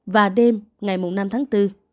và đêm ngày mùng năm tháng bốn